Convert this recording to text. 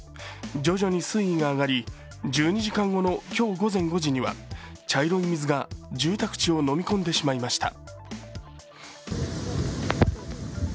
徐々に水位が上がり１２時間後の今日午前５時には茶色い水が住宅地をのみ込んでしまいました。